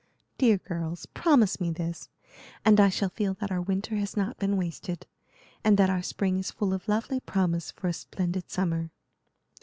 Dear girls, promise me this, and I shall feel that our winter has not been wasted, and that our spring is full of lovely promise for a splendid summer."